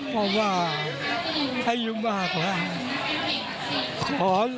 เพราะว่าใครอยู่มากกว่าขอเลือกต่างกันทีครับ